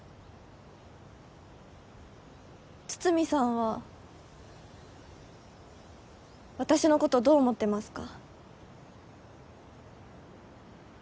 筒見さんは私のことどう思ってますか？